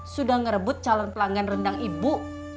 sudah merebut calon pelanggan rendang ibu